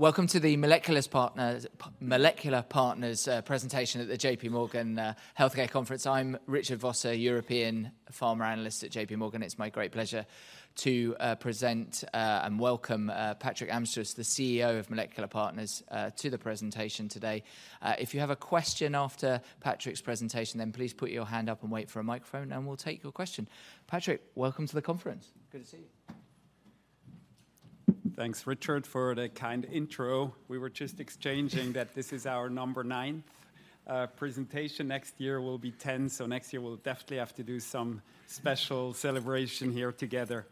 Welcome to the Molecular Partners presentation at the J.P. Morgan Healthcare Conference. I'm Richard Vosser, European Pharma Analyst at J.P. Morgan. It's my great pleasure to present and welcome Patrick Amstutz, the CEO of Molecular Partners, to the presentation today. If you have a question after Patrick's presentation, then please put your hand up and wait for a microphone, and we'll take your question. Patrick, welcome to the conference. Good to see you. Thanks, Richard, for the kind intro. We were just exchanging that this is our number ninth presentation. Next year will be ten, so next year we'll definitely have to do some special celebration here together.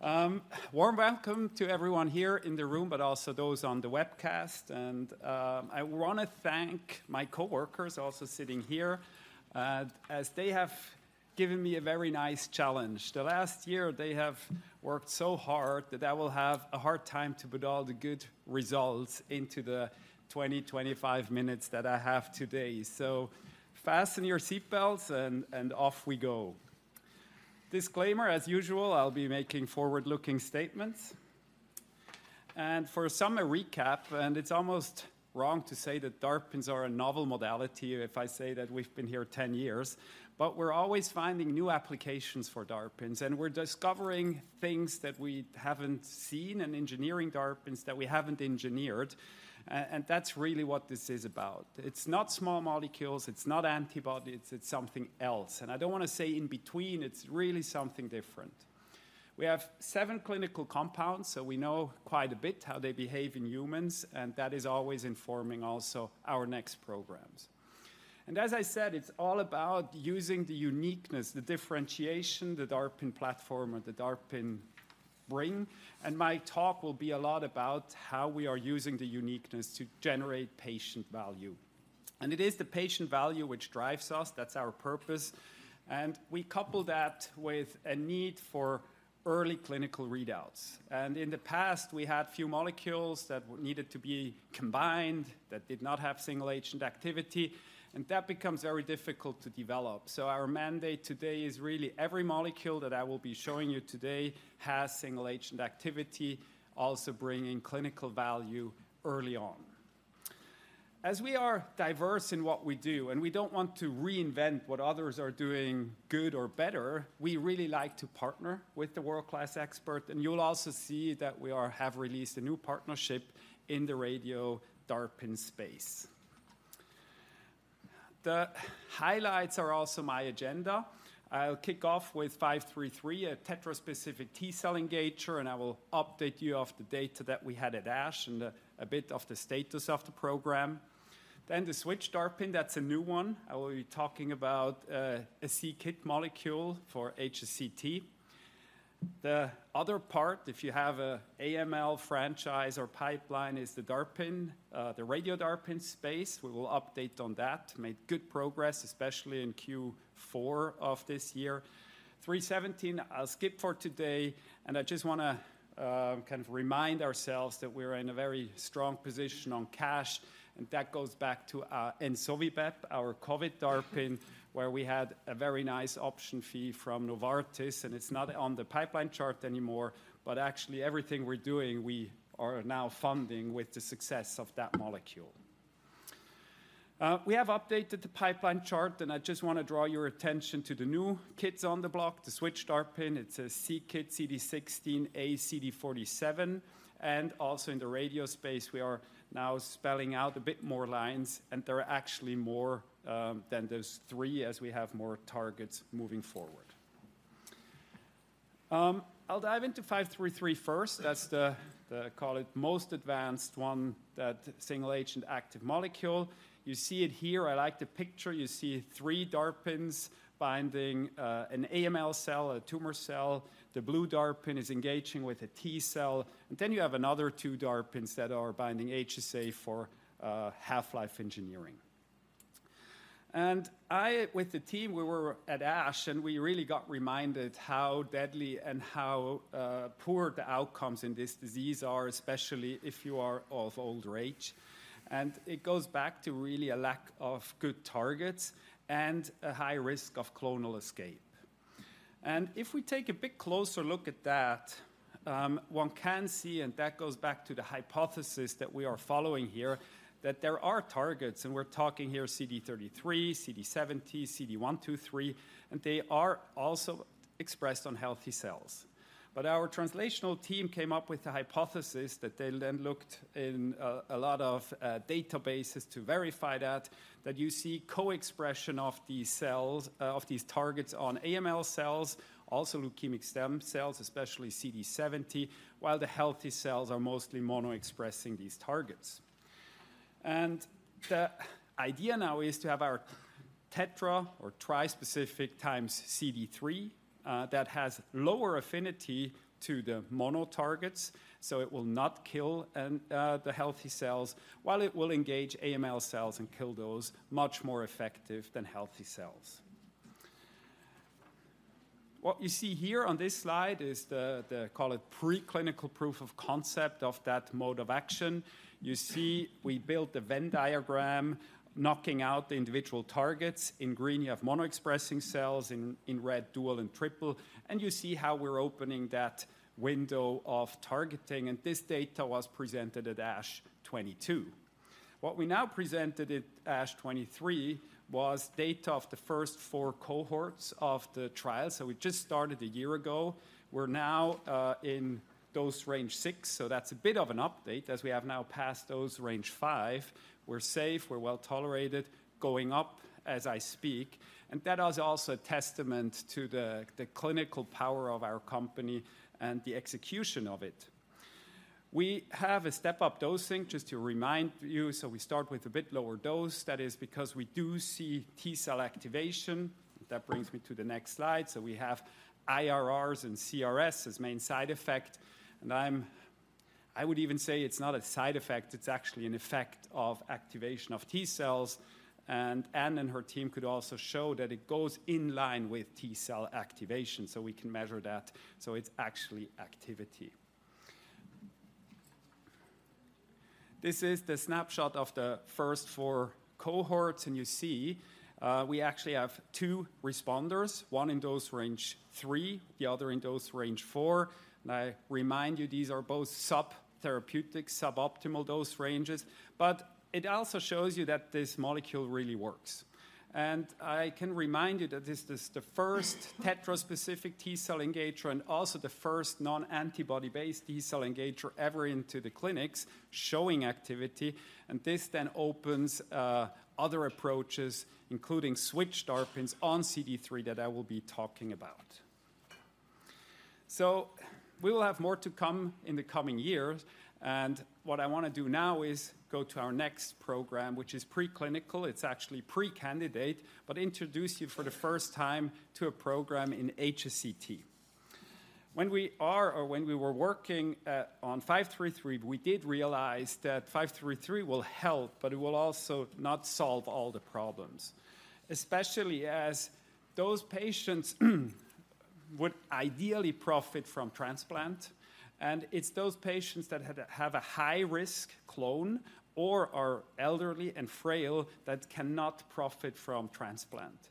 Warm welcome to everyone here in the room, but also those on the webcast. I want to thank my coworkers also sitting here, as they have given me a very nice challenge. The last year, they have worked so hard that I will have a hard time to put all the good results into the 25 minutes that I have today. So fasten your seatbelts, and off we go. Disclaimer: as usual, I'll be making forward-looking statements. For some, a recap, and it's almost wrong to say that DARPins are a novel modality if I say that we've been here 10 years, but we're always finding new applications for DARPins, and we're discovering things that we haven't seen and engineering DARPins that we haven't engineered, and that's really what this is about. It's not small molecules, it's not antibody, it's, it's something else. And I don't want to say in between, it's really something different. We have 7 clinical compounds, so we know quite a bit how they behave in humans, and that is always informing also our next programs. And as I said, it's all about using the uniqueness, the differentiation, the DARPin platform or the DARPin thing. And my talk will be a lot about how we are using the uniqueness to generate patient value. And it is the patient value which drives us. That's our purpose, and we couple that with a need for early clinical readouts. In the past, we had few molecules that needed to be combined, that did not have single agent activity, and that becomes very difficult to develop. Our mandate today is really every molecule that I will be showing you today has single agent activity, also bringing clinical value early on. As we are diverse in what we do, and we don't want to reinvent what others are doing good or better, we really like to partner with the world-class expert, and you'll also see that we have released a new partnership in the radio-DARPin space. The highlights are also my agenda. I'll kick off with MP0533, a tetraspecific T cell engager, and I will update you of the data that we had at ASH and a bit of the status of the program. Then the Switch-DARPin, that's a new one. I will be talking about a c-Kit molecule for HSCT. The other part, if you have a AML franchise or pipeline, is the DARPin, the radio-DARPin space. We will update on that, made good progress, especially in Q4 of this year. 317, I'll skip for today, and I just want to kind of remind ourselves that we're in a very strong position on cash, and that goes back to Ensovibep, our COVID DARPin, where we had a very nice option fee from Novartis, and it's not on the pipeline chart anymore, but actually everything we're doing, we are now funding with the success of that molecule. We have updated the pipeline chart, and I just want to draw your attention to the new kids on the block, the Switch-DARPin. It's a c-Kit CD16a, CD47, and also in the radio space, we are now spelling out a bit more lines, and there are actually more than those three as we have more targets moving forward. I'll dive into 533 first. That's the call it most advanced one, that single agent active molecule. You see it here. I like the picture. You see three DARPins binding an AML cell, a tumor cell. The blue DARPin is engaging with a T cell, and then you have another two DARPins that are binding HSA for half-life engineering. And I, with the team, we were at ASH, and we really got reminded how deadly and how poor the outcomes in this disease are, especially if you are of older age. And it goes back to really a lack of good targets and a high risk of clonal escape. If we take a bit closer look at that, one can see, and that goes back to the hypothesis that we are following here, that there are targets, and we're talking here CD33, CD70, CD123, and they are also expressed on healthy cells. But our translational team came up with the hypothesis that they then looked in a lot of databases to verify that you see co-expression of these cells, of these targets on AML cells, also leukemic stem cells, especially CD70, while the healthy cells are mostly mono-expressing these targets. The idea now is to have our tetra or tri-specific times CD3 that has lower affinity to the mono targets, so it will not kill the healthy cells, while it will engage AML cells and kill those much more effective than healthy cells. What you see here on this slide is the call it preclinical proof of concept of that mode of action. You see, we built a Venn diagram knocking out the individual targets. In green, you have mono expressing cells, in red, dual and triple, and you see how we're opening that window of targeting, and this data was presented at ASH 2022. What we now presented at ASH 2023 was data of the first 4 cohorts of the trial. So we just started a year ago. We're now in dose range 6, so that's a bit of an update, as we have now passed dose range 5. We're safe, we're well-tolerated, going up as I speak, and that is also a testament to the clinical power of our company and the execution of it. We have a step-up dosing, just to remind you. We start with a bit lower dose. That is because we do see T cell activation. That brings me to the next slide. We have IRRs and CRS as main side effect, and I would even say it's not a side effect, it's actually an effect of activation of T cells. Anne and her team could also show that it goes in line with T cell activation, so we can measure that, so it's actually activity. This is the snapshot of the first four cohorts, and you see, we actually have two responders, one in dose range three, the other in dose range four. I remind you, these are both sub-therapeutic, suboptimal dose ranges, but it also shows you that this molecule really works. I can remind you that this is the first tetraspecific T cell engager and also the first non-antibody-based T cell engager ever into the clinics, showing activity. This then opens other approaches, including Switch-DARPin on CD3 that I will be talking about. We will have more to come in the coming years, and what I wanna do now is go to our next program, which is preclinical. It's actually pre-candidate, but introduce you for the first time to a program in HSCT. When we are or when we were working on 533, we did realize that 533 will help, but it will also not solve all the problems, especially as those patients would ideally profit from transplant. It's those patients that have a high-risk clone or are elderly and frail that cannot profit from transplant.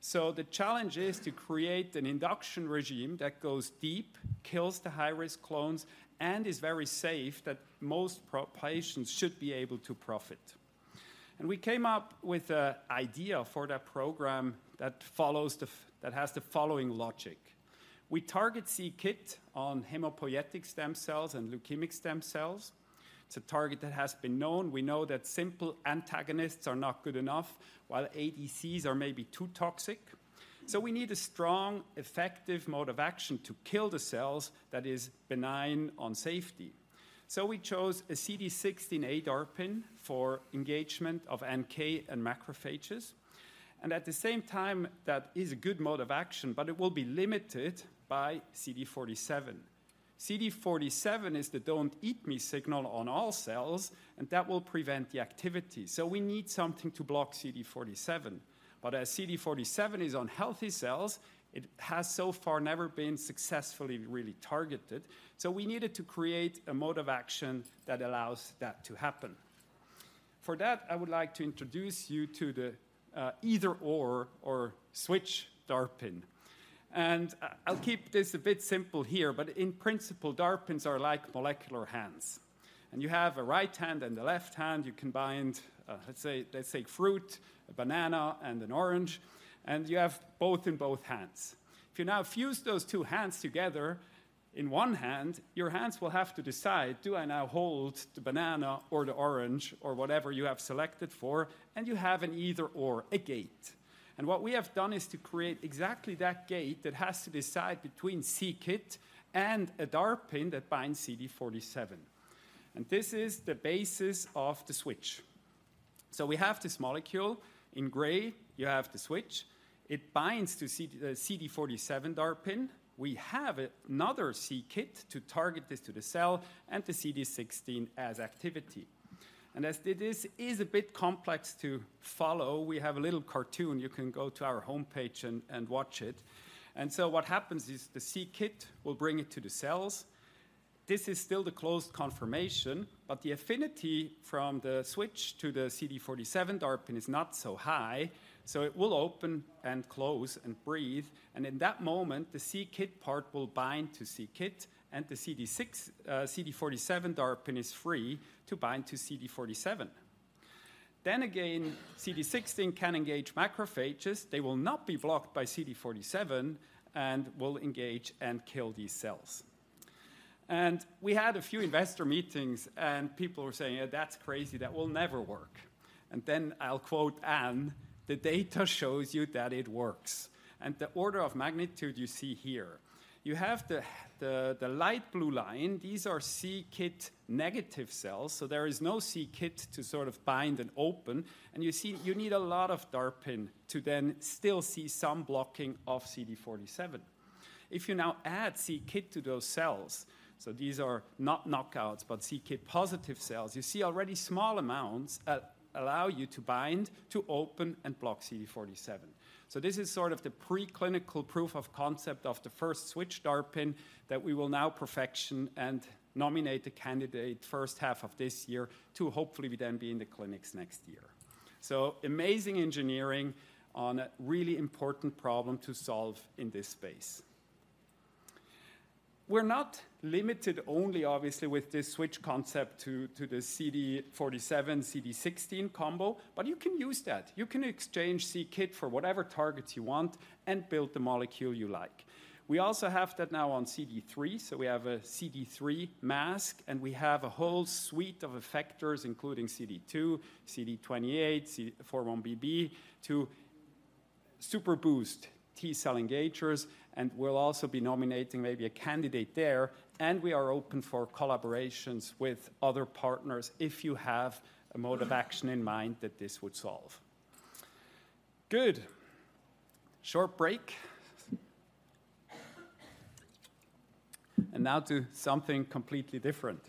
So the challenge is to create an induction regimen that goes deep, kills the high-risk clones, and is very safe that most patients should be able to profit. We came up with an idea for that program that has the following logic: We target c-Kit on hematopoietic stem cells and leukemic stem cells. It's a target that has been known. We know that simple antagonists are not good enough, while ADCs are maybe too toxic. So we need a strong, effective mode of action to kill the cells that is benign on safety. So we chose a CD16a DARPin for engagement of NK and macrophages, and at the same time, that is a good mode of action, but it will be limited by CD47. CD47 is the "don't eat me" signal on all cells, and that will prevent the activity, so we need something to block CD47. But as CD47 is on healthy cells, it has so far never been successfully really targeted. So we needed to create a mode of action that allows that to happen. For that, I would like to introduce you to the either/or or Switch-DARPin. And I'll keep this a bit simple here, but in principle, DARPins are like molecular hands, and you have a right hand and a left hand. You can bind, let's say, fruit, a banana and an orange, and you have both in both hands. If you now fuse those two hands together, in one hand, your hands will have to decide, "Do I now hold the banana or the orange?" Or whatever you have selected for, and you have an either/or, a gate. And what we have done is to create exactly that gate that has to decide between c-Kit and a DARPin that binds CD47. And this is the basis of the switch. So we have this molecule. In gray, you have the switch. It binds to CD47 DARPin. We have another c-Kit to target this to the cell and the CD16 as activity. And as this is a bit complex to follow, we have a little cartoon. You can go to our homepage and watch it. And so what happens is the c-Kit will bring it to the cells. This is still the closed confirmation, but the affinity from the switch to the CD47 DARPin is not so high, so it will open and close and breathe, and in that moment, the c-Kit part will bind to c-Kit, and the CD47 DARPin is free to bind to CD47. Then again, CD16 can engage macrophages. They will not be blocked by CD47 and will engage and kill these cells. And we had a few investor meetings, and people were saying: "That's crazy. That will never work." And then I'll quote Anne, "The data shows you that it works." And the order of magnitude you see here, you have the light blue line. These are c-Kit-negative cells, so there is no c-Kit to sort of bind and open, and you see you need a lot of DARPin to then still see some blocking of CD47. If you now add c-Kit to those cells, so these are not knockouts, but c-Kit-positive cells, you see already small amounts allow you to bind, to open and block CD47. So this is sort of the preclinical proof of concept of the first Switch-DARPin that we will now perfect and nominate a candidate first half of this year to hopefully then be in the clinics next year. So amazing engineering on a really important problem to solve in this space. We're not limited only obviously, with this switch concept to the CD47, CD16 combo, but you can use that. You can exchange c-Kit for whatever targets you want and build the molecule you like. We also have that now on CD3, so we have a CD3 mask, and we have a whole suite of effectors, including CD2, CD28, 4-1BB, to super boost T cell engagers, and we'll also be nominating maybe a candidate there, and we are open for collaborations with other partners if you have a mode of action in mind that this would solve. Good. Short break. And now to something completely different: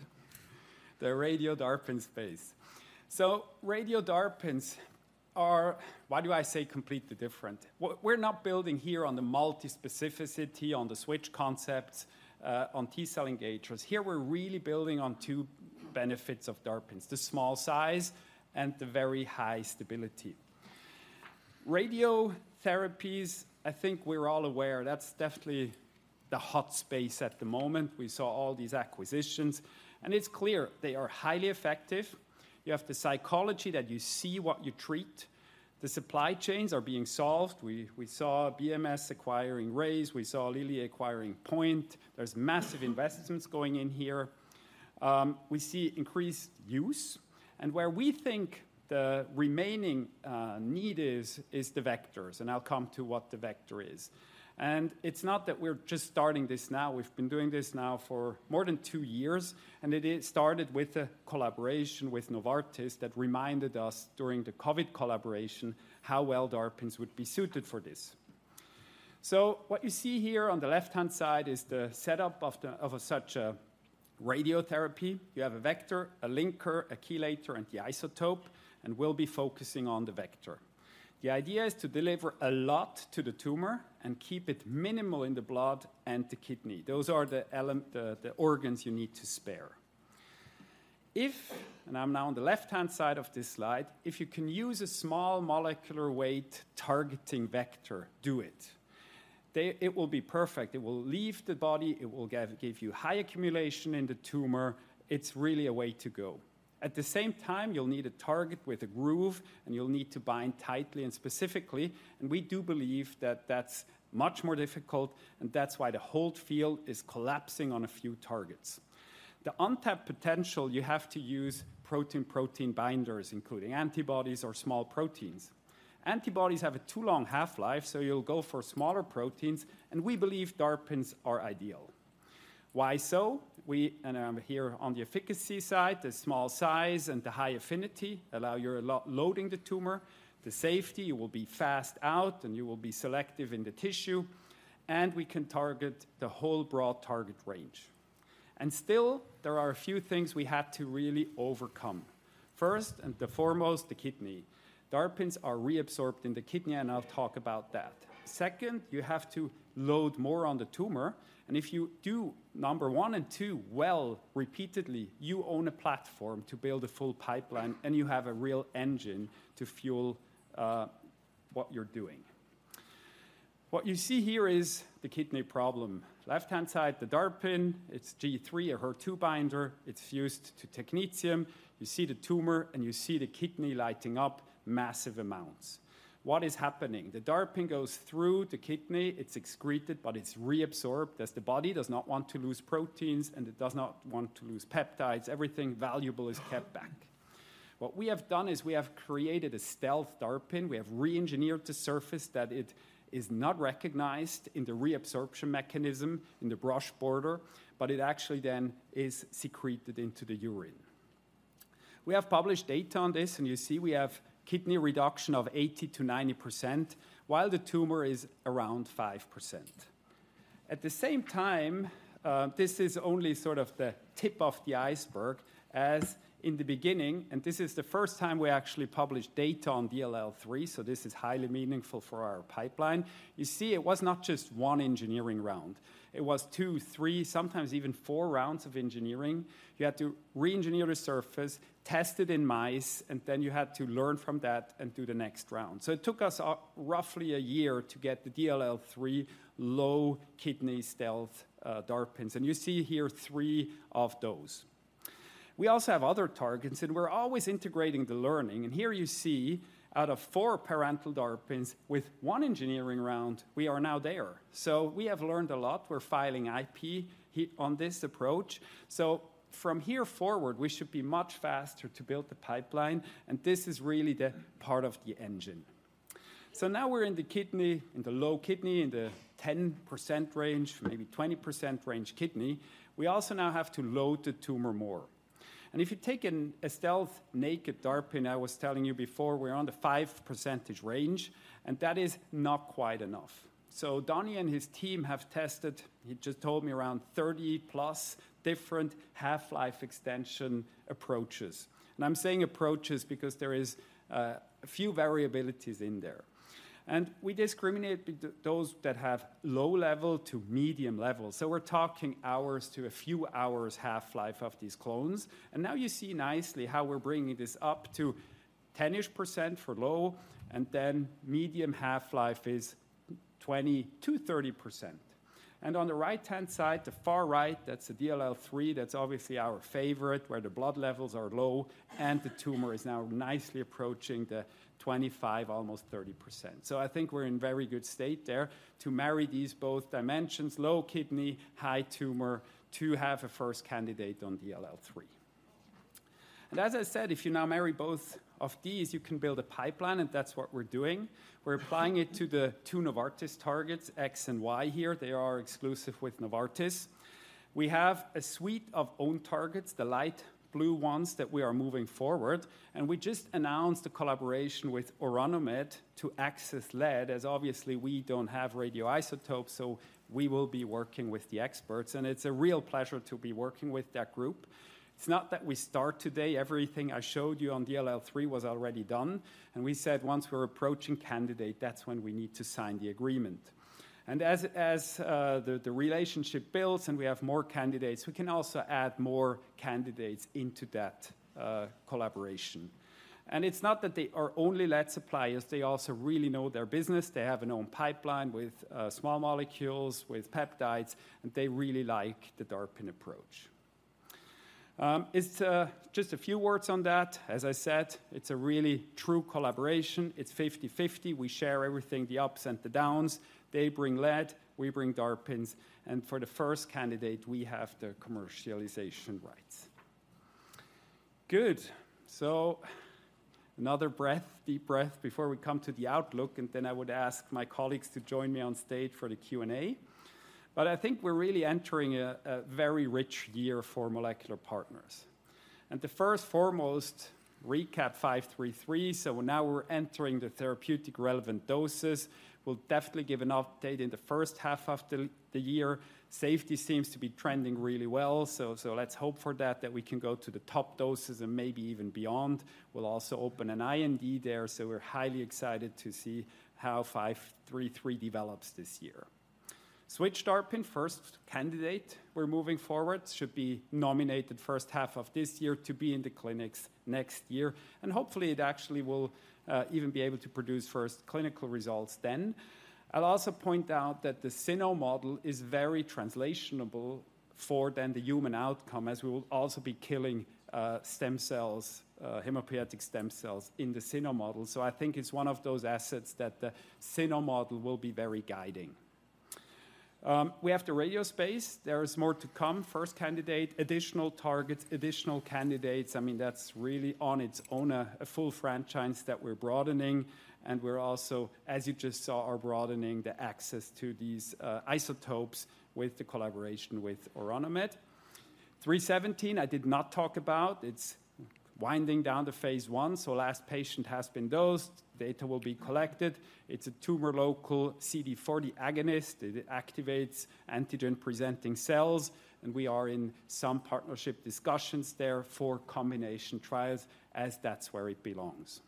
the radio-DARPin space. So radio-DARPins are— Why do I say completely different? We're, we're not building here on the multi-specificity, on the Switch-DARPin concepts, on T cell engagers. Here we're really building on two benefits of DARPins: the small size and the very high stability. Radiotherapies, I think we're all aware that's definitely the hot space at the moment. We saw all these acquisitions, and it's clear they are highly effective. You have the psychology that you see what you treat. The supply chains are being solved. We saw BMS acquiring Rayze, we saw Lilly acquiring Point. There's massive investments going in here. We see increased use, and where we think the remaining need is, is the vectors, and I'll come to what the vector is. It's not that we're just starting this now. We've been doing this now for more than two years, and it started with a collaboration with Novartis that reminded us during the COVID collaboration, how well DARPins would be suited for this. So what you see here on the left-hand side is the setup of such a radiotherapy. You have a vector, a linker, a chelator, and the isotope, and we'll be focusing on the vector. The idea is to deliver a lot to the tumor and keep it minimal in the blood and the kidney. Those are the organs you need to spare. If, and I'm now on the left-hand side of this slide, if you can use a small molecular weight targeting vector, do it. It will be perfect. It will leave the body, it will give you high accumulation in the tumor. It's really a way to go. At the same time, you'll need a target with a groove, and you'll need to bind tightly and specifically, and we do believe that that's much more difficult, and that's why the whole field is collapsing on a few targets. The untapped potential, you have to use protein-protein binders, including antibodies or small proteins. Antibodies have too long a half-life, so you'll go for smaller proteins, and we believe DARPins are ideal. Why so? And I'm here on the efficacy side, the small size and the high affinity allow your loading the tumor. The safety, you will be fast out, and you will be selective in the tissue, and we can target the whole broad target range. And still, there are a few things we had to really overcome. First and foremost, the kidney. DARPins are reabsorbed in the kidney, and I'll talk about that. Second, you have to load more on the tumor, and if you do number one and two well, repeatedly, you own a platform to build a full pipeline, and you have a real engine to fuel what you're doing. What you see here is the kidney problem. Left-hand side, the DARPin, it's G3, a HER2 binder. It's fused to technetium. You see the tumor, and you see the kidney lighting up massive amounts. What is happening? The DARPin goes through the kidney, it's excreted, but it's reabsorbed, as the body does not want to lose proteins, and it does not want to lose peptides. Everything valuable is kept back. What we have done is we have created a Stealth DARPin. We have re-engineered the surface that it is not recognized in the reabsorption mechanism, in the brush border, but it actually then is secreted into the urine. We have published data on this, and you see we have kidney reduction of 80%-90%, while the tumor is around 5%. At the same time, this is only sort of the tip of the iceberg, as in the beginning, and this is the first time we actually published data on DLL3, so this is highly meaningful for our pipeline. You see, it was not just one engineering round. It was two, three, sometimes even four rounds of engineering. You had to re-engineer the surface, test it in mice, and then you had to learn from that and do the next round. So it took us roughly a year to get the DLL3 low-kidney stealth DARPins, and you see here three of those. We also have other targets, and we're always integrating the learning. And here you see out of four parental DARPins with one engineering round, we are now there. So we have learned a lot. We're filing IP here on this approach. So from here forward, we should be much faster to build the pipeline, and this is really the part of the engine. So now we're in the kidney, in the low kidney, in the 10% range, maybe 20% range kidney. We also now have to load the tumor more. And if you take a stealth naked DARPin, I was telling you before, we're on the 5% range, and that is not quite enough. So Dani and his team have tested, he just told me, around 30+ different half-life extension approaches. And I'm saying approaches because there is a few variabilities in there. And we discriminate between those that have low level to medium level. So we're talking hours to a few hours half-life of these clones. Now you see nicely how we're bringing this up to 10-ish% for low, and then medium half-life is 20-30%. On the right-hand side, the far right, that's the DLL3, that's obviously our favorite, where the blood levels are low and the tumor is now nicely approaching the 25, almost 30%. I think we're in very good state there to marry these both dimensions, low kidney, high tumor, to have a first candidate on DLL3. As I said, if you now marry both of these, you can build a pipeline, and that's what we're doing. We're applying it to the two Novartis targets, X and Y here. They are exclusive with Novartis. We have a suite of own targets, the light blue ones that we are moving forward, and we just announced a collaboration with Orano Med to access lead, as obviously we don't have radioisotopes, so we will be working with the experts, and it's a real pleasure to be working with that group. It's not that we start today. Everything I showed you on DLL3 was already done, and we said once we're approaching candidate, that's when we need to sign the agreement. And the relationship builds and we have more candidates, we can also add more candidates into that collaboration. And it's not that they are only lead suppliers, they also really know their business. They have their own pipeline with small molecules, with peptides, and they really like the DARPin approach. It's just a few words on that. As I said, it's a really true collaboration. It's 50/50. We share everything, the ups and the downs. They bring lead, we bring DARPins, and for the first candidate, we have the commercialization rights. Good. So another breath, deep breath before we come to the outlook, and then I would ask my colleagues to join me on stage for the Q&A. But I think we're really entering a very rich year for Molecular Partners. And the first foremost, recap 533, so now we're entering the therapeutic relevant doses. We'll definitely give an update in the first half of the year. Safety seems to be trending really well, so let's hope for that, that we can go to the top doses and maybe even beyond. We'll also open an IND there, so we're highly excited to see how 533 develops this year. Switch-DARPin, first candidate we're moving forward, should be nominated first half of this year to be in the clinics next year, and hopefully, it actually will, even be able to produce first clinical results then. I'll also point out that the cyno model is very translatable for then the human outcome, as we will also be killing, stem cells, hematopoietic stem cells in the cyno model. So I think it's one of those assets that the cyno model will be very guiding. We have the radio space. There is more to come. First candidate, additional targets, additional candidates. I mean, that's really on its own a, a full franchise that we're broadening, and we're also, as you just saw, are broadening the access to these, isotopes with the collaboration with Orano Med. Three seventeen, I did not talk about. It's winding down the phase 1, so last patient has been dosed, data will be collected. It's a tumor-local CD40 agonist. It activates antigen-presenting cells, and we are in some partnership discussions there for combination trials as that's where it belongs.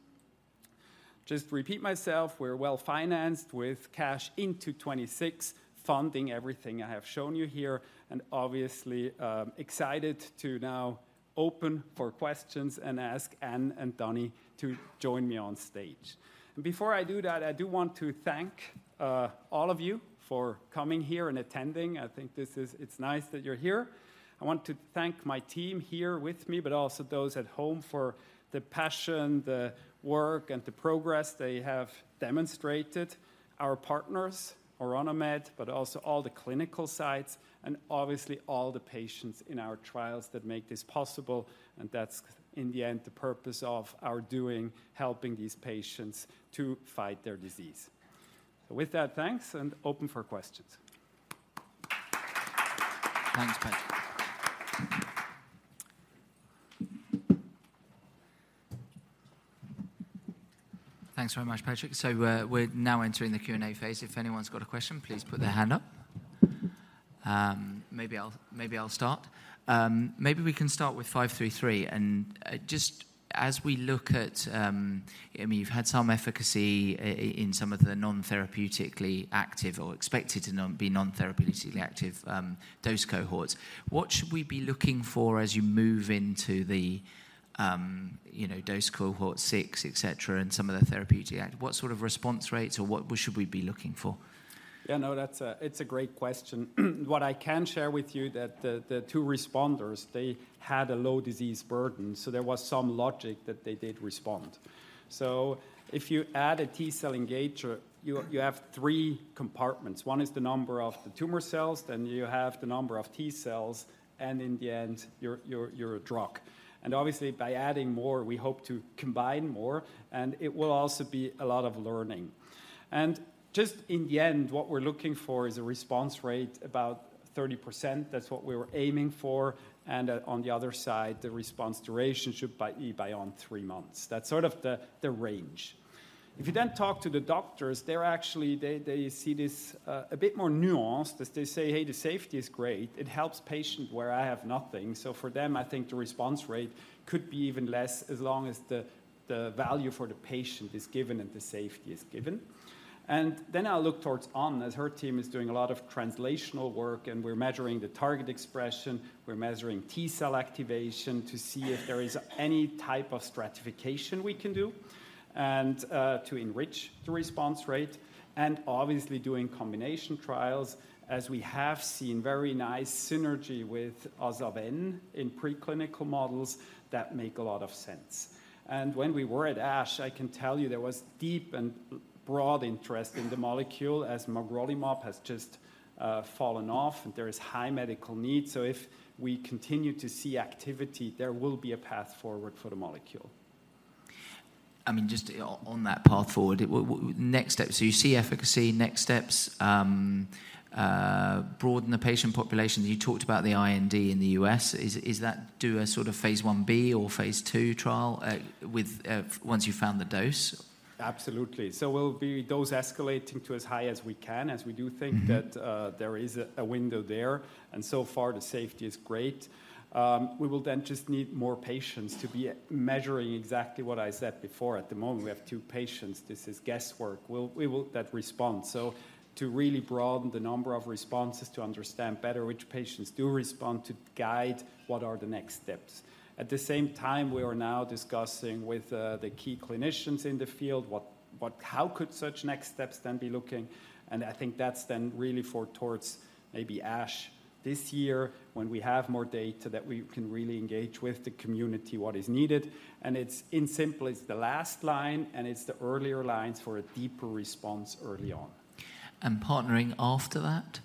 Just repeat myself, we're well-financed with cash into 2026, funding everything I have shown you here, and obviously, excited to now open for questions and ask Anne and Dani to join me on stage. Before I do that, I do want to thank all of you for coming here and attending. I think this is, it's nice that you're here. I want to thank my team here with me, but also those at home for the passion, the work, and the progress they have demonstrated. Our partners, Orano Med, but also all the clinical sites, and obviously all the patients in our trials that make this possible, and that's, in the end, the purpose of our doing, helping these patients to fight their disease. With that, thanks, and open for questions. Thanks, Patrick. Thanks very much, Patrick. So we're, we're now entering the Q&A phase. If anyone's got a question, please put their hand up. Maybe I'll, maybe I'll start. Maybe we can start with MP0533, and just as we look at... I mean, you've had some efficacy in some of the non-therapeutically active or expected to be non-therapeutically active dose cohorts. What should we be looking for as you move into the, you know, dose cohort 6, et cetera, and some of the therapeutic, what sort of response rates or what, what should we be looking for? Yeah, no, that's a great question. What I can share with you that the two responders, they had a low disease burden, so there was some logic that they did respond. So if you add a T-cell engager, you have three compartments. One is the number of the tumor cells, then you have the number of T-cells, and in the end, your drug. And obviously, by adding more, we hope to combine more, and it will also be a lot of learning. And just in the end, what we're looking for is a response rate about 30%. That's what we were aiming for, and on the other side, the response duration should be beyond 3 months. That's sort of the range. If you then talk to the doctors, they're actually they see this a bit more nuanced, as they say, "Hey, the safety is great. It helps patient where I have nothing." So for them, I think the response rate could be even less, as long as the value for the patient is given and the safety is given. And then I'll look towards Anne, as her team is doing a lot of translational work, and we're measuring the target expression, we're measuring T-cell activation to see if there is any type of stratification we can do, and to enrich the response rate, and obviously doing combination trials, as we have seen very nice synergy with Aza-Ven in preclinical models that make a lot of sense. When we were at ASH, I can tell you there was deep and broad interest in the molecule, as magrolimab has just fallen off, and there is high medical needs. So if we continue to see activity, there will be a path forward for the molecule. I mean, just on that path forward, next steps. So you see efficacy, next steps, broaden the patient population. You talked about the IND in the U.S. Is that do a sort of phase 1b or phase II trial, with once you've found the dose? Absolutely. So we'll be dose escalating to as high as we can, as we do think- Mm-hmm... that, there is a window there, and so far, the safety is great. We will then just need more patients to be measuring exactly what I said before. At the moment, we have two patients. This is guesswork. We'll - we will - that response. So to really broaden the number of responses, to understand better which patients do respond, to guide what are the next steps. At the same time, we are now discussing with the key clinicians in the field, what - how could such next steps then be looking? And I think that's then really for towards maybe ASH this year, when we have more data that we can really engage with the community what is needed. And it's in simple, it's the last line, and it's the earlier lines for a deeper response early on. Partnering after that?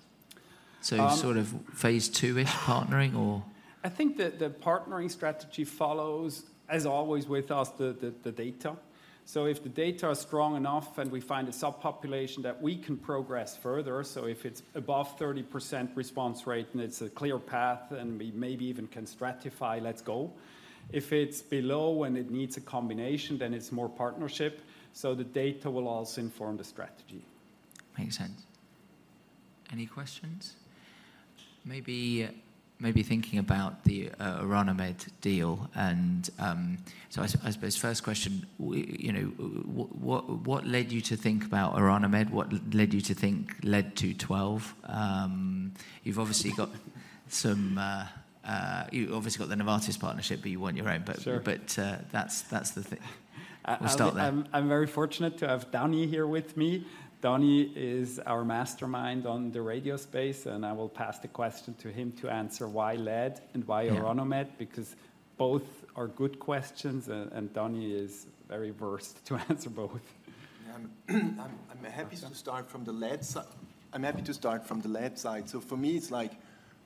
Um- Sort of phase II-ish partnering or? I think the partnering strategy follows, as always, with us, the data. So if the data is strong enough and we find a subpopulation that we can progress further, so if it's above 30% response rate and it's a clear path, and we maybe even can stratify, let's go. If it's below and it needs a combination, then it's more partnership. So the data will also inform the strategy. Makes sense. Any questions? Maybe thinking about the Orano Med deal, and... So I suppose first question, you know, what led you to think about Orano Med? What led you to think led to twelve? You've obviously got the Novartis partnership, but you want your own- Sure. But that's the thing. We'll start there. I'm very fortunate to have Dani here with me. Dani is our mastermind on the radio space, and I will pass the question to him to answer why lead and why Orano Med- Yeah... because both are good questions, and Dani is very versed to answer both. Yeah, I'm happy to start from the lead side. So for me, it's like,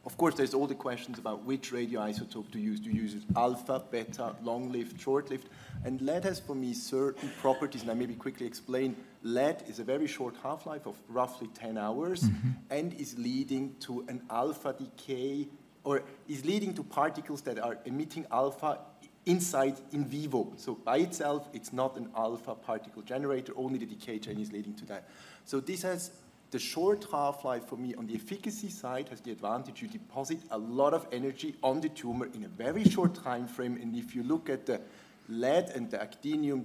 of course, there's all the questions about which radioisotope to use. Do you use alpha, beta, long-lived, short-lived? And lead has, for me, certain properties, and I maybe quickly explain. Lead is a very short half-life of roughly 10 hours- Mm-hmm... and is leading to an alpha decay, or is leading to particles that are emitting alpha inside in vivo. So by itself, it's not an alpha particle generator, only the decay chain is leading to that. So this has the short half-life for me on the efficacy side, has the advantage you deposit a lot of energy on the tumor in a very short time frame, and if you look at the lead and the actinium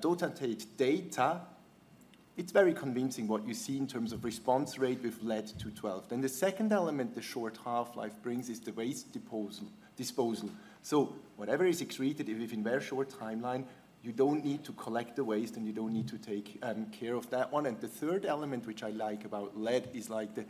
DOTATATE data, it's very convincing what you see in terms of response rate with lead-212. Then the second element the short half-life brings is the waste disposal. So whatever is excreted, if in very short timeline, you don't need to collect the waste, and you don't need to take care of that one. And the third element, which I like about lead, is like the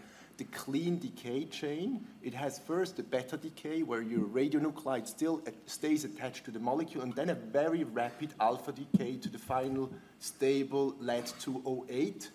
clean decay chain. It has first a beta decay, where your radionuclide still stays attached to the molecule, and then a very rapid alpha decay to the final stable lead-208.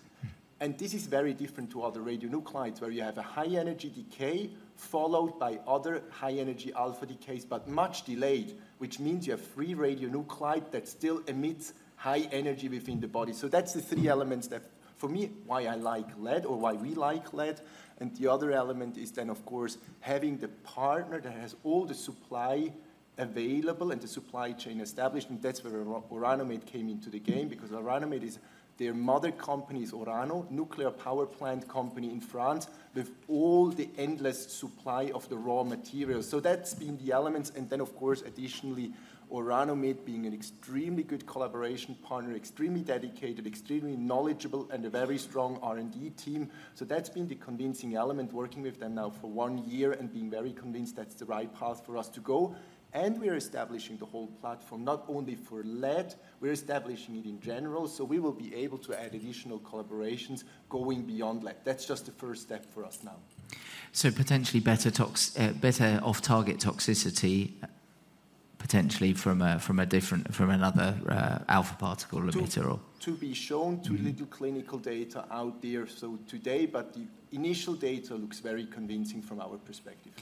This is very different to other radionuclides, where you have a high energy decay followed by other high energy alpha decays, but much delayed, which means you have free radionuclide that still emits high energy within the body. So that's the three elements that, for me, why I like lead or why we like lead. The other element is then, of course, having the partner that has all the supply available and the supply chain established, and that's where Orano Med came into the game because Orano Med's mother company is Orano, nuclear power plant company in France, with all the endless supply of the raw materials. So that's been the elements, and then, of course, additionally, Orano Med being an extremely good collaboration partner, extremely dedicated, extremely knowledgeable, and a very strong R&D team. So that's been the convincing element, working with them now for 1 year and being very convinced that's the right path for us to go. And we are establishing the whole platform, not only for lead, we're establishing it in general, so we will be able to add additional collaborations going beyond lead. That's just the first step for us now. So potentially better off-target toxicity, potentially from another alpha particle emitter or- To be shown- Mm-hmm... too little clinical data out there, so today, but the initial data looks very convincing from our perspective.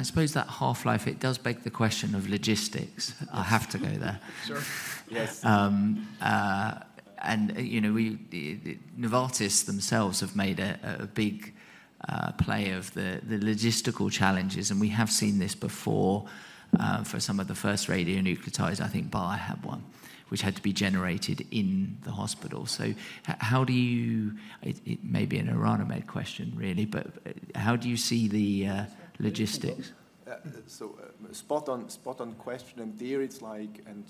I suppose that half-life, it does beg the question of logistics. I have to go there. Sure. Yes. You know, the Novartis themselves have made a big play of the logistical challenges, and we have seen this before for some of the first radionuclides. I think Biovent, which had to be generated in the hospital. So how do you... It may be an Orano Med question, really, but how do you see the logistics? So, spot on, spot on question, and there it's like... And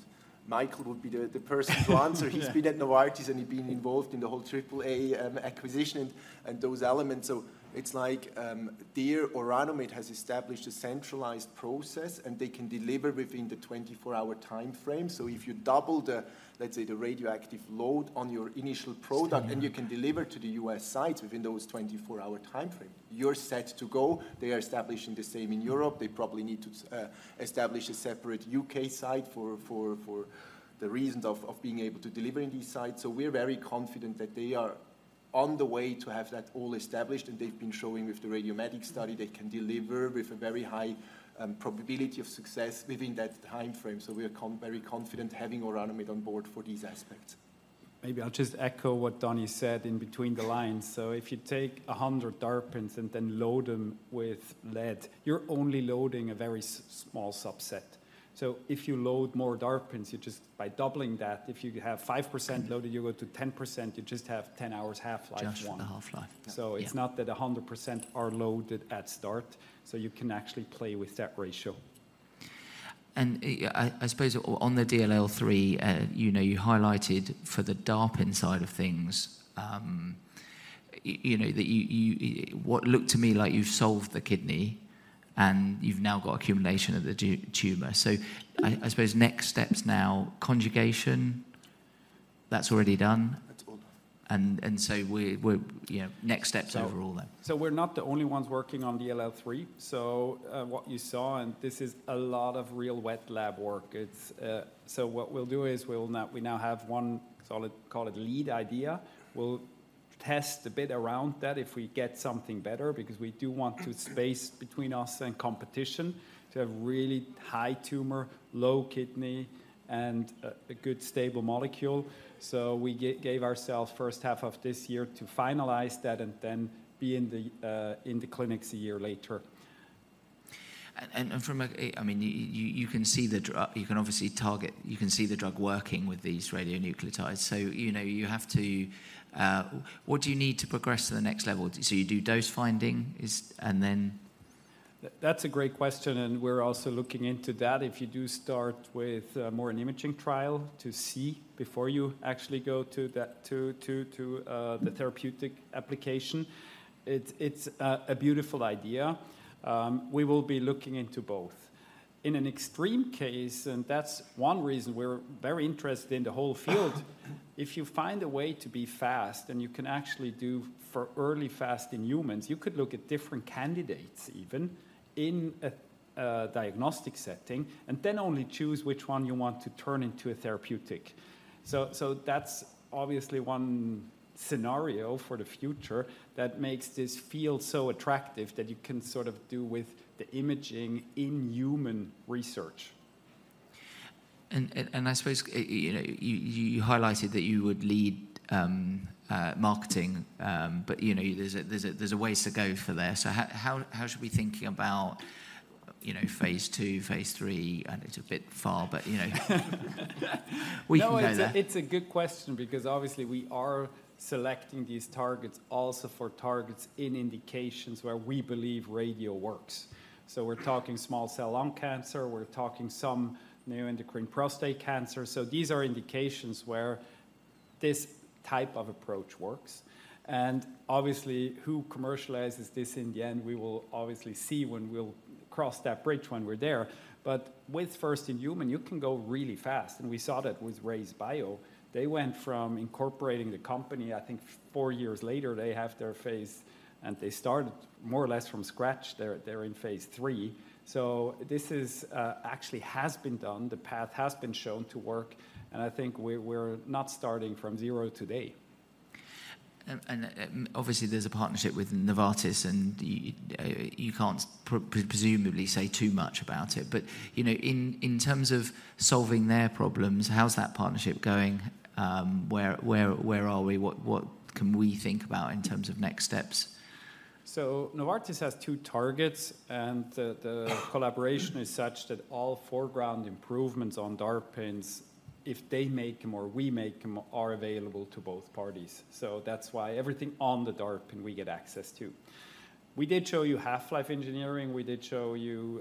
Michael would be the person to answer. Yeah. He's been at Novartis, and he's been involved in the whole AAA, acquisition and, and those elements. So it's like, there Orano Med has established a centralized process, and they can deliver within the 24-hour time frame. So if you double the, let's say, the radioactive load on your initial product- Mm-hmm... and you can deliver to the U.S. sites within those 24-hour time frame, you're set to go. They are establishing the same in Europe. They probably need to establish a separate U.K. site for the reasons of being able to deliver in these sites. So we're very confident that they are on the way to have that all established, and they've been showing with the RadioMedix study they can deliver with a very high probability of success within that timeframe. So we are very confident having Orano Med on board for these aspects. Maybe I'll just echo what Dani said in between the lines. So if you take 100 DARPins and then load them with lead, you're only loading a very small subset. So if you load more DARPins, you just by doubling that, if you have 5% loaded, you go to 10%, you just have 10 hours half-life one. Just the half-life. It's not that 100% are loaded at start, so you can actually play with that ratio. And I suppose on the DLL3, you know, you highlighted for the DARPin side of things, you know, that you what looked to me like you've solved the kidney and you've now got accumulation of the tumor. So I suppose next steps now, conjugation, that's already done? That's all done. So we're, yeah, next steps overall then. So, we're not the only ones working on DLL3. So, what you saw, and this is a lot of real wet lab work. It's... So what we'll do is we now have one solid, call it lead idea. We'll test a bit around that if we get something better, because we do want space between us and competition to have really high tumor, low kidney, and a good stable molecule. So we gave ourselves first half of this year to finalize that and then be in the clinics a year later. From a, I mean, you can see the drug. You can obviously target, you can see the drug working with these radionuclides. So, you know, you have to... What do you need to progress to the next level? So you do dose finding, and then? That's a great question, and we're also looking into that. If you do start with more of an imaging trial to see before you actually go to the therapeutic application, it's a beautiful idea. We will be looking into both. In an extreme case, and that's one reason we're very interested in the whole field, if you find a way to be fast, and you can actually do for early fast in humans, you could look at different candidates even in a diagnostic setting, and then only choose which one you want to turn into a therapeutic. So that's obviously one scenario for the future that makes this field so attractive that you can sort of do with the imaging in human research. And I suppose, you know, you highlighted that you would lead marketing, but, you know, there's a ways to go for there. So how should we be thinking about, you know, phase 2, phase 3? I know it's a bit far, but, you know, we can go there. No, it's a, it's a good question because obviously we are selecting these targets also for targets in indications where we believe radio works. So we're talking small cell lung cancer, we're talking some neuroendocrine prostate cancer. So these are indications where this type of approach works. And obviously, who commercialises this in the end, we will obviously see when we'll cross that bridge when we're there. But with first in human, you can go really fast, and we saw that with RayzeBio. They went from incorporating the company, I think 4 years later, they have their phase, and they started more or less from scratch. They're, they're in phase 3. So this is, actually has been done, the path has been shown to work, and I think we're, we're not starting from zero today. And obviously, there's a partnership with Novartis, and you can't presumably say too much about it. But, you know, in terms of solving their problems, how's that partnership going? Where are we? What can we think about in terms of next steps? So Novartis has two targets, and the collaboration is such that all foreground improvements on DARPins, if they make them or we make them, are available to both parties. So that's why everything on the DARPin, we get access to. We did show you half-life engineering. We did show you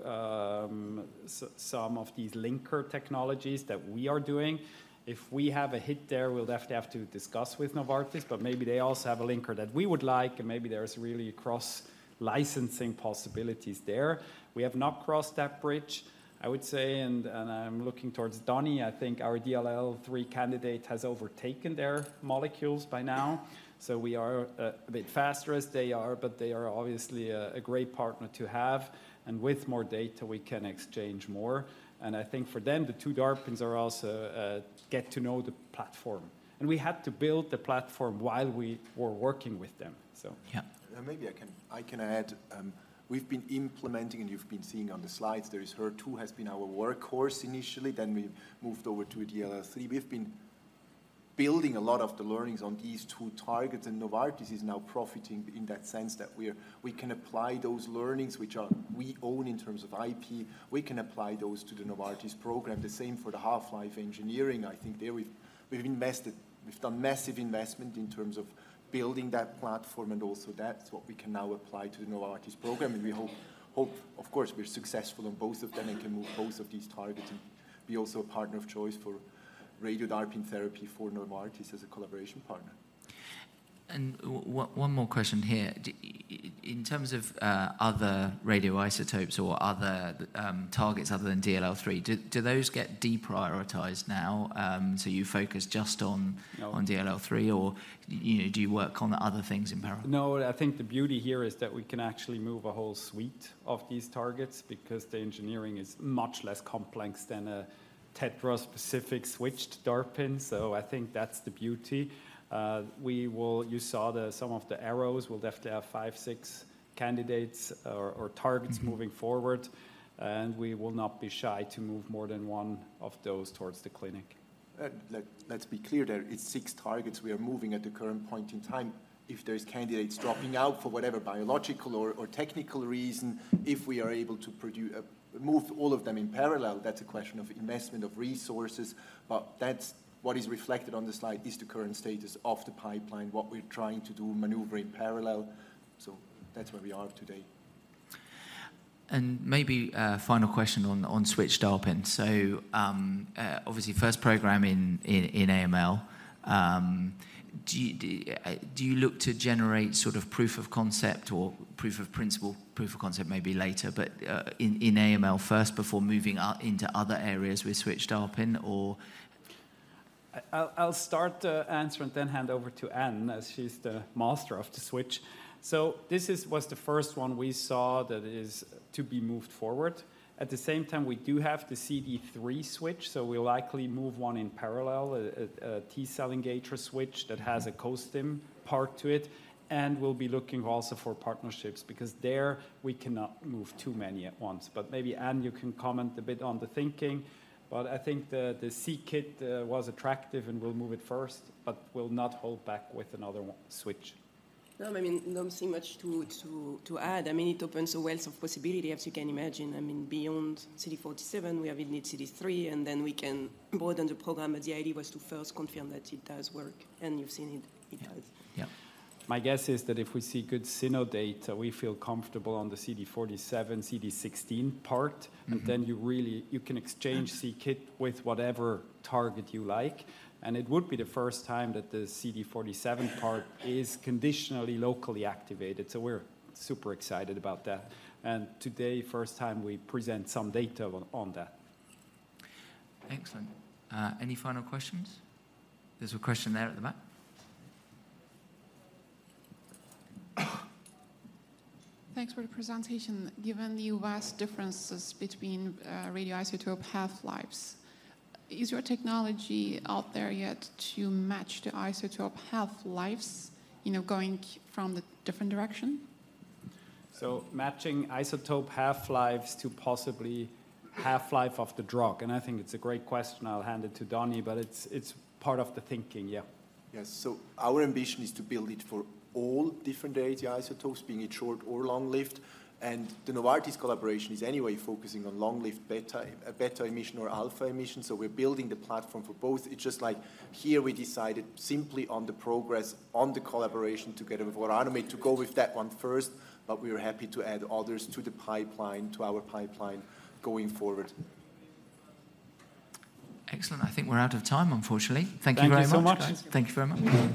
some of these linker technologies that we are doing. If we have a hit there, we'll have to discuss with Novartis, but maybe they also have a linker that we would like, and maybe there's really cross-licensing possibilities there. We have not crossed that bridge, I would say, and I'm looking towards Dani. I think our DLL3 candidate has overtaken their molecules by now, so we are a bit faster as they are, but they are obviously a great partner to have. And with more data, we can exchange more. I think for them, the two DARPins are also get to know the platform. We had to build the platform while we were working with them, so. Yeah. Maybe I can, I can add, we've been implementing, and you've been seeing on the slides, there is HER2 has been our workhorse initially, then we moved over to DLL3. We've been building a lot of the learnings on these two targets, and Novartis is now profiting in that sense that we're we can apply those learnings, which are we own in terms of IP, we can apply those to the Novartis program. The same for the half-life engineering. I think there we've we've invested we've done massive investment in terms of building that platform, and also that's what we can now apply to the Novartis program. And we hope, hope, of course, we're successful on both of them and can move both of these targets and be also a partner of choice for radio-DARPin therapy for Novartis as a collaboration partner. One more question here. Dani, in terms of other radioisotopes or other targets other than DLL3, do those get deprioritized now, so you focus just on- No. on DLL3, or, you know, do you work on the other things in parallel? No, I think the beauty here is that we can actually move a whole suite of these targets because the engineering is much less complex than a tetraspecific Switch-DARPin, so I think that's the beauty. We will... You saw some of the arrows. We'll definitely have 5, 6 candidates or, or targets moving forward, and we will not be shy to move more than one of those towards the clinic.... Let's be clear there, it's six targets we are moving at the current point in time. If there's candidates dropping out for whatever biological or technical reason, if we are able to move all of them in parallel, that's a question of investment of resources. But that's what is reflected on the slide, is the current status of the pipeline, what we're trying to do, maneuver in parallel. So that's where we are today. And maybe a final question on Switch-DARPin. So, obviously, first program in AML, do you look to generate sort of proof of concept or proof of principle? Proof of concept may be later, but in AML first before moving out into other areas with Switch-DARPin or- I'll start the answer and then hand over to Anne, as she's the master of the switch. So this was the first one we saw that is to be moved forward. At the same time, we do have the CD3 switch, so we'll likely move one in parallel, a T-cell engager switch that has a costim part to it, and we'll be looking also for partnerships, because there, we cannot move too many at once. But maybe, Anne, you can comment a bit on the thinking. But I think the c-Kit was attractive, and we'll move it first, but we'll not hold back with another one switch. No, I mean, I don't see much to add. I mean, it opens a wealth of possibility, as you can imagine. I mean, beyond CD47, we have indeed CD3, and then we can broaden the program, but the idea was to first confirm that it does work, and you've seen it. It does. Yeah. My guess is that if we see good cyno data, we feel comfortable on the CD47, CD16 part- Mm-hmm. And then you really, you can exchange c-Kit with whatever target you like, and it would be the first time that the CD47 part is conditionally locally activated, so we're super excited about that. And today, first time we present some data on that. Excellent. Any final questions? There's a question there at the back. Thanks for the presentation. Given the vast differences between radioisotope half-lives, is your technology out there yet to match the isotope half-lives, you know, going from the different direction? So matching isotope half-lives to possibly half-life of the drug, and I think it's a great question. I'll hand it to Dani, but it's part of the thinking. Yeah. Yes. So our ambition is to build it for all different radioisotopes, being it short or long-lived, and the Novartis collaboration is anyway focusing on long-lived beta, beta emission or alpha emission, so we're building the platform for both. It's just like here we decided simply on the progress, on the collaboration together with Orano to go with that one first, but we are happy to add others to the pipeline, to our pipeline going forward. Excellent. I think we're out of time, unfortunately. Thank you very much. Thank you so much. Thank you very much.